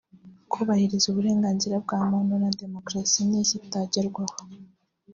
kubahiriza uburenganzira bwa muntu na demokarasi nizitagerwaho